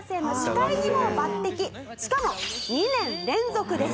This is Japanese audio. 「しかも２年連続です」